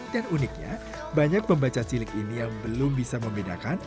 dan uniknya banyak pembaca cilik ini yang belum bisa membedakan